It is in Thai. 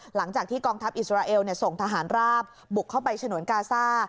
หลังจากที่กองทัพอิสราเอลส่งทหารราบบุกเข้าไปฉนวนกาซ่า